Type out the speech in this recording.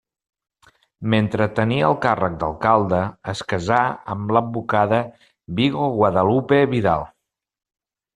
Mentre tenia el càrrec d'alcalde es casà amb l'advocada Vigo Guadalupe Vidal.